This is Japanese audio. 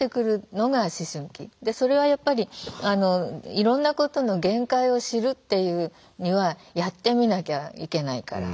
それはやっぱりいろんなことの限界を知るっていうにはやってみなきゃいけないから。